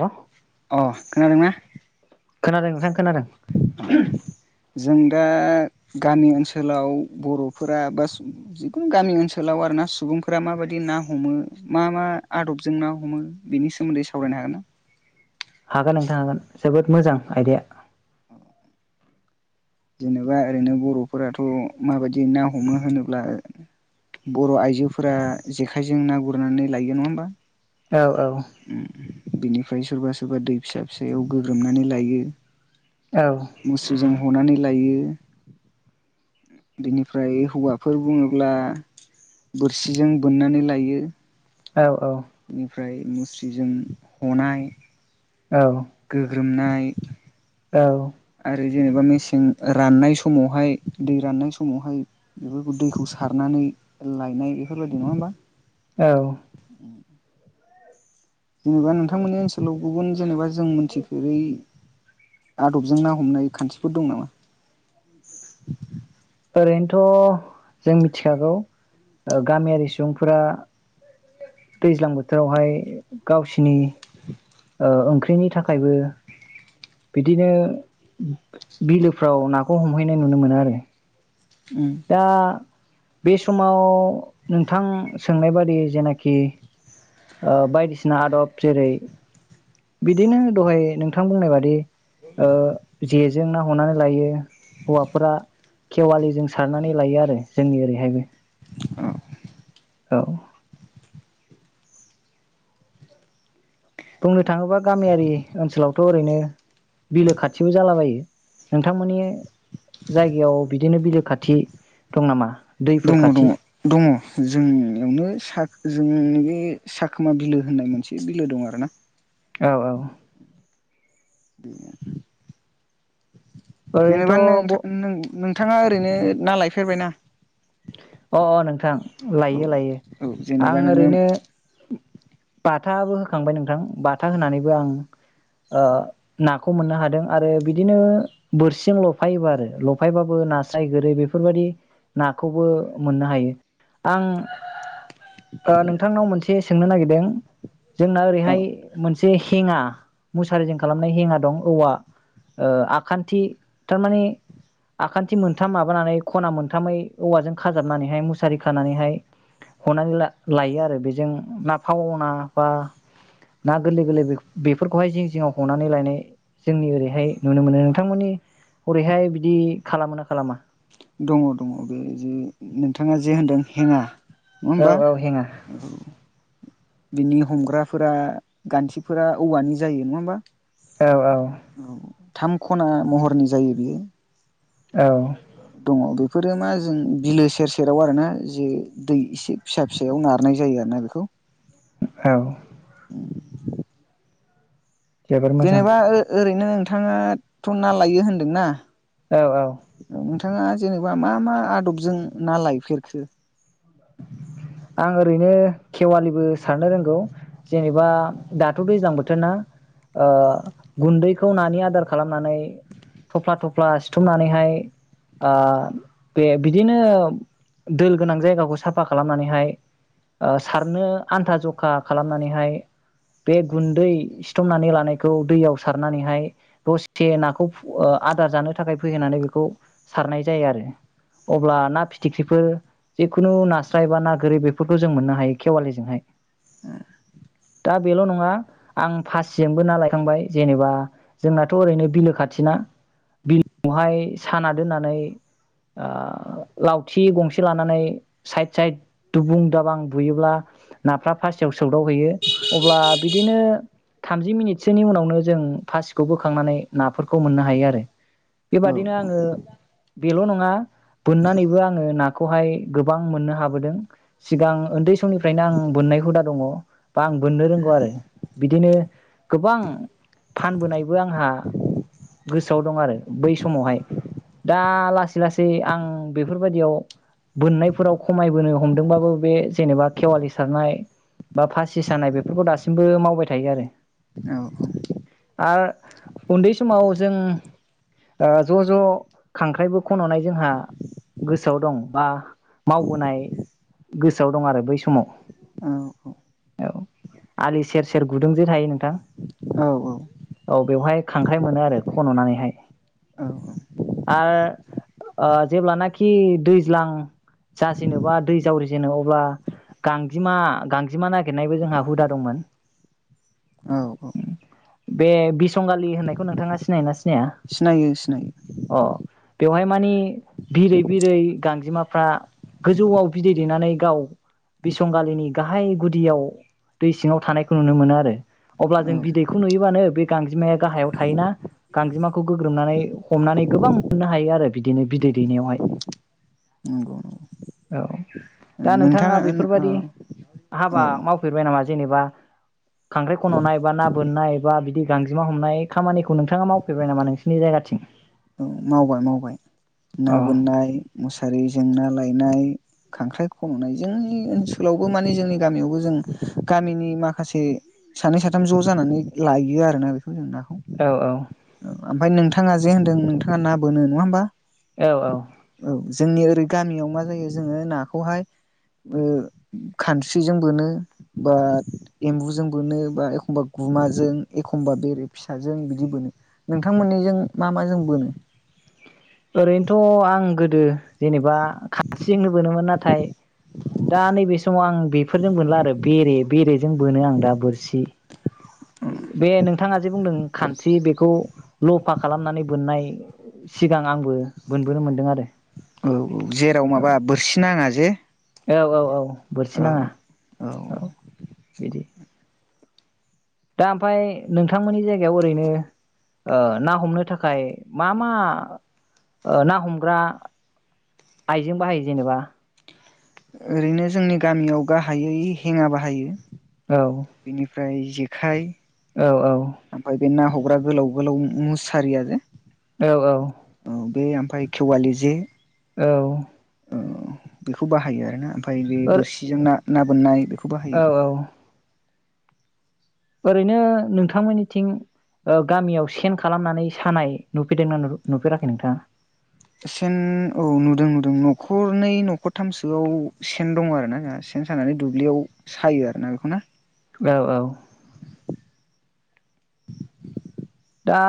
हेल' अ खोनादोंना? खोनादों नोंथां खोनादों। अ जों दा गामि ओनसोलाव बर'फोरा बा सु जिखुनु गामि ओनसोलाव आरो ना सुबुंफोरा माबायदि ना हमो। मा मा आद'बजों ना हमो बेनि सोमोन्दै सावरायनो हागोन ना? हागोन नोंथां हागोन जोबोद मोजां आयदाया। जेनेबा ओरैनो बर'फोराथ' माबायदि ना हमो होनोब्ला। बर' आइजोफोरा जेखाइजों ना गुरनानै लायो नङा होमबा। औ औ। उम बिनिफ्राय सोरबा सोरबा दै फिसा फिसायाव गोग्रोमनानै लायो। औ। मुस्रिजों हनानै लायो। बिनिफ्राय हौवाफोर बुङोब्ला बोरसिजों बोननानै लायो। औ औ। ओनफ्राय मुस्रिजों हनाय। औ। गोग्रोमनाय। औ। आरो जेनेबा मेसें राननाय समावहाय दै राननाय समावहाय। बेफोरखौ दैखौ सारनानै लायनाय बेफोरबायदि नङा होमबा। औ। जेनेबा नोंथांमोननि ओनसोलाव गुबुन जेनेबा जों मोनथिफेरै। आद'बजों ना हमनाय खान्थिफोर दं नामा? ओरैनोथ' जों मिथिखागौ ओ गामियारि सुबुंफोरा। दैज्लां बोथोरावहाय गावसिनि ओ ओंख्रिनि थाखायबो। बिदिनो बिलोफ्राव नाखौ हमहैनाय नुनो मोनो आरो। उम। दा बे समाव नोंथां सोंनाय बादि जेनाखि। ओ बायदिसिना आद'ब जेरै। बिदिनो दहाय नोंथां बुंनाय बादि। ओ जेजों ना ह'नानै लायो हौवाफोरा खेवालिजों सारनानै लायो आरो जोंनि ओरैहायबो। अ। औ। बुंनो थाङोबा गामियारि ओनसोलावथ' ओरैनो। बिलो खाथिबो जालाबायो नोंथांमोननि। जायगायाव बिदिनो बिलो खाथि दं नामा? दैफोर दङ दङ खाथि दङ जोंनियावनो साग जोंनि बे। साखोमा बिलो होननाय मोनसे बिलो दं आरो ना। औ औ। [unintelligible] जेनेबा नोंथा ओरैनोथ' नों नोंथाङा ओरैनो ना लायफेरबायना। अ' अ' नोंथां औ लायो लायो औ आं जेनेबा नोङो ओरैनो। बाथाबो होखांबाय नोंथां बाथा होनानैबो आं ओ। नाखौ मोननो हादों आरो बिदिनो बोरसिजों लफायोबो आरो लफायबाबो नास्राय गोरै बे फोरबायदि। खौबो मोननो हायो आं। ओ नोंथांनाव मोनसे सोंनो नागिरदों जोंना औ ओरैहाय मोनसे। से हेङा मुसारिजों खालामनाय हेङा दं औवा। ओ आखान्थि थारमाने आखान्थि मोनथाम माबानानै खना मोनथामै। औवाजों खाजाबनानैहाय मुसारि खानानैहाय। हनानै ला-लायो आरो बेजों ना फावना बा। ना गोरलै गोरलै बे-बेफोरखौहाय जिं जिंआव हनानै लायनाय। जोंनि ओरैहाय नुनो मोनो नोंथांमोननि हरैहाय बिदि खालामो ना खालामा? दङ दङ बे जे नोंथाङा जे होनदों हेंङा नङा औ होमबा। औ हेङा औ। बिनि हमग्राफोरा गान्थिफोरा औवानि जायो नङा होमबा। औ औ। औ थाम खना महरनि जायो बियो। औ। दङ बेफोरो मा जों बिलो सेर सेराव आरोना जे दै एसे फिसा। फिसायाव नारनाय जायो आरोना बेखौ। औ। जोबोर मोजां जेनेबा ओ-ओरैनो नोंथाङाथ' ना लायो होनदोंना। औ औ। औ नोंथाङा जेनेबा मा मा आदबजों ना लायफेरखो। [inaudible] आं ओरैनो खेवालिबो सारनो रोंगौ। जेनेबा दाथ' दैज्लां बोथोरना। ओ गुन्दैखौ नानि आदार खालामनानै थफ्ला थफ्ला सिथुमनानैहाय ओ बे बिदिनो दोल गोनां जायगाखौ साफा खालामनानैहाय ओ सारनो आन्था जखा खालामनानैहाय बे गुन्दै सिथमनानै लानायखौ दैयाव सारनानैहाय दसे नाखौ ओ आदार जानो थाखाय फैहोननानै बेखौ सारनाय जायो आरो। अब्ला ना फिथिख्रिफोर जिखुनु ना स्राय बा ना गोरि बेफोरखौ जों मोननो हायो खेवालिजोंहाय। दा बेल' नङा आं फासिजोंबो ना लायखांबाय जेनेबा जोंनाथ' ओरैनो बिलो खाथिना बिलोआवहाय साना दोननानै ओ लावथि गंसे लानानै साइद साइद दुबुं दाबां बुयोब्ला नाफ्रा फासियाव सौदावहैयो अब्ला बिदिनो थामजि मिनिटसोनि उनावनो जों फासिखौ बोखांनानै नाफोरखौ हायो आरो। औ बेबादिनो आङो बेल' नङा बोननानैबो आङो नाखौहाय गो बां मोननो हाबोदों। सिगां उन्दै समनिफ्रायनो आं बोननाय हुदा दङ बा आं बोननो रोंगौ आरो। बिदिनो गोबां फानबोनायबो आंहा गोसोआव दं आरो बै समावहाय। दा लासै लासै आं बेफोरबायदियाव बोननाय फोराव खमायबोनो हमदोंबाबो बे जेनेबा खेवालि सारनाय बा फासि सानाय बेफोरखौ दासिमबो मावबाय थायो आरो। औ। आ उन्दै समाव जों ज' ज' खांख्राइबो खन'नाय जोंहा गोसोआव दं बा मावबोनाय गोसोआव दं आरो बै समाव। औ औ। औ आलि सेर सेर गुदुंजे थायो नोंथां। औ औ। औ बेवहाय खांख्राइ मोनो आरो खन'नानैहाय। औ औ। आरो ओ जेब्लानाखि दैज्लां जाजेनोबा दै जावरिजेनो अब्ला गांजेमा गांजेमा नागिरनायबो जोंहा हुदा दंमोन। औ औ बे बिसंगालि होननायखौ नोंथाङा सिनायोना सि सिनायो सिनायो। अ' बेवहाय माने बिरै बिरै गांजेमाफ्रा गोजौआव बिदै दैेनानै गाव बिसंगालिनि गाहाय गुदियाव दै सिङाव थानायखौ नुनो मोनो आरो अब्लाजों औ बिदैखौ नुयोबानो बे गांजेमाया गाहायाव थायोना। गांजेमाखौ गोग्रोमनानै हमनानै गोबां मोननो हायो आरो बिदिनो बिदै दैनायावहाय। नंगौ नंगौ। औ दा नोंथाङा औ बेफोरबायदि औ हाबा मावफेरबाय नामा जेनेबा खांख्राइ खन'नाय बा ना बोननाय बा बिदि गांजेमा हमनाय खामानिखौ नोंथाङा मावफेरबाय नामा नोंसिनि जायगाथिं? औ मावबाय मावबाय ना औ बोननाय मुसारिजों ना लायनाय। खांख्राइ खन'नाय जोंनि ओनसोलावबो माने जोंनि गामियावबो जों गामिनि माखासे सानै साथाम ज' जानानै लायो आरोना बेखौ जों नाखौ। औ औ। ओमफ्राय नोंथाङा जे होन्दों नोंथाङा ना बोनो नङा होमबा। औ औ। औ जोंनि ओरै गामियाव मा जायो जोङो नाखौहाय। ओ खानस्रिजों बोनो बा। एम्बुजों बोनो बा एखमबा गुमाजों एखमबा बेरे फिसाजों बिदि बोनो। नोंथांमोननिजों मा मा जों बोनो। ओरैनोथ' आं गोदो जेनेबा खानस्रिजोंनो बोनोमोन नाथाय दा नैबे समाव आं बेफोरजों बोनला आरो बेरे बेरेजों बोनो आं दा बोरसि। बे नोंथाङाजे बुंदों खान्थि बेखौ लफा खालामनानै बोननाय सिगां आंबो बोनबोनो मोन्दों आरो औ औ जेराव माबा बोरसि नाङा जे औ औ औ बोरसि औ नाङा औ बिदि। दा ओमफ्राय नोंथांमोननि जायगायाव ओरैनो। ओ ना हमनो थाखाय मा मा ओ ना हमग्रा आइजें बाहायो जेनेबा। ओरैनो जोंनि गामियाव गाहायै हेङा बाहायो। औ बेनिफ्राय जेखाइ। औ ओमफ्राय बे ना हग्रा गोलाव गोलाव मुसारियाजे औ औ। औ बे ओमफ्राय खेवालि जे औ औ बेखौ बाहायो आरोना ओमफ्राय बे ओर बोरसिजों ना ना बोननाय बेखौ बाहायो औ औ। ओरैनो नोंथांमोननिथिं। ओ गामियाव सेन खालामनानै सानाय नुफेरदोंना नुफेराखै नोंथाङा? सेन औ नुदों नुदों न'खरनै न'खरथामसोआव सेन दं आरो ना जोंहा सेन सानानै दुब्लियाव सायो आरोना बेखौना औ औ। दा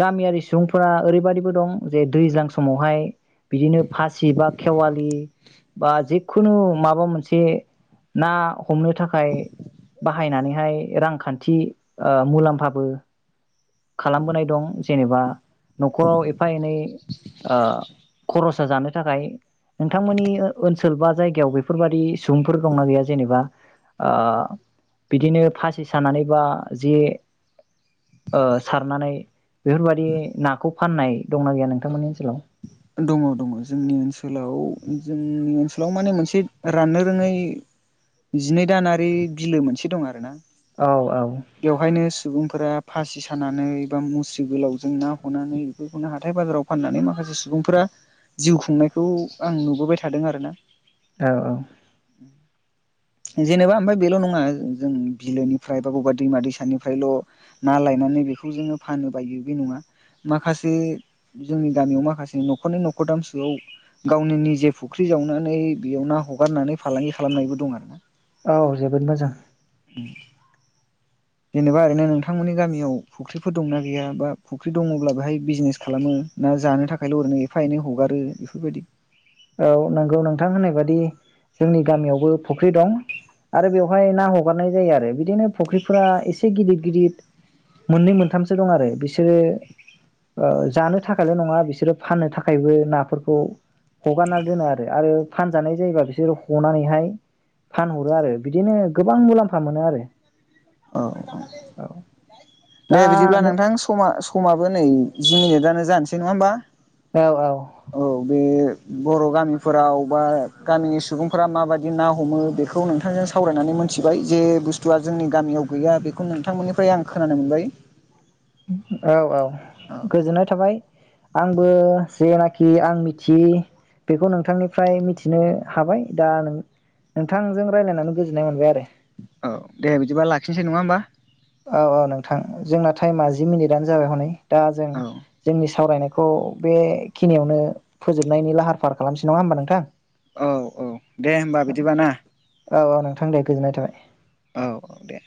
गामियारि सुबुंफोरा ओरैबायदिबो दं जे दैज्लां समावहाय। बिदिनो फासि बा खेवालि बा जि खुनु माबा मोनसे ना हमनो थाखाय। बाहायनानैहाय रांखान्थि ओ मुलाम्फाबो खालामबोनाय दं जेनेबा न'खराव एफा एनै ओ खरस जानो थाखाय नोंथांमोननि ओ ओनसोल बा जायगायाव बे फोर बादि सुबुंफोर दंना गैया जेनेबा? ओ बिदिनो फासि सानानै बा जे ओ सारनानै बेफोरबायदि नाखौ फाननाय दंना गैया नोंथांमोननि ओनसोलाव? दङ दङ जोंनि ओनसोलाव जोंनि ओनसोलाव माने मोनसे राननो रोङै। जिनै दानारि बिलो मोनसे दं आरो ना। औ औ। बेवहायनो सुबुंफोरा फासि सानानै बा मुस्रि गोलावजों ना हनानै बेफोरखौनो हाथाय बाजाराव फाननानै माखासे सुबुंफोरा जिउ खुंनायखौ आं नुबोबाय थादों आरो ना। औ औ [inaudible] जेनेबा ओमफ्राय बेल' नङा जों बिलोनिफ्राय बा बबेबा दैमा दैसानिफ्रायल' ना लायनानै बेखौ जोङो फानो बायो बे नङा माखासे जोंनि गामियाव माखासे नखरनै न'खरथाम सोआव गावनि निजे फुख्रि जावनानै बेयाव ना हगारनानै फालांगि खालामनायबो दं आरो ना। औ जोबोद मोजां। [inaudible] जेनेबा ओरैनो नोंथांमोननि गामियाव फुख्रिफोर दंना गैया बा फुख्रि दङब्ला बेहाय बिजनेस खालामो ना जानो थाखायल' ओरैनो एफा एनै हगारो बेफोरबायदि औ नंगौ नोंथां होननाय बायदि जोंनि गामियावबो फुख्रि दं। आरो बेवहाय ना हगारनाय जायो आरो बिदिनो फुख्रिफोरा एसे गिदिर गिदिर मोननै मोनथामसो दं आरो बिसोरो ओ जानो थाखायल' नङा बिसोरो फाननो थाखायबो नाफोरखौ हगारना दोनो आरो आरो फानजानाय जायोबा बिसोर हनानैहाय फानहरो आरो बिदिनो गोबां मुलाम्फा मोनो आरो। औ औ दे दा बिदिब्ला नोंथां समा स' समाबो नै जि मिनिटानो जानोसै नङा होमबा? औ औ औ बे बर' गामिफोराव बा गामिनि सुबुंफोरा माबायदि ना हमो बेखौ नोंथांजों सावरायनानै मोनथिबाय जे बुस्थुआ जोंनि गामियाव गैया बेखौ नोंथांमोननिफ्राय आं खोनानो मोनबाय। औ औ औ गोजोननाय थाबाय। आंबो जेनाखि आं मिथियि बेखौ नोंथांनिफ्राय मिथिनो हाबाय दा नों नोंथांजों रायलायनानै गोजोननाय मोनबाय आरो। औ दे बिदिबा लाखिनोसै नङा होमबा? औ औ नोंथां जोंना टाइमा जि मिनिटआनो जाबाय हनै दा जों औ जोंनि सावरायनाय खौ बेखिनियावनो फोजोबनायनि लाहार फाहार खालामसै नङा होमबा नोंथां? औ औ दे होमबा बिदिबा ना? औ औ नोंथां दे गोजोननाय थाबाय। औ औ दे।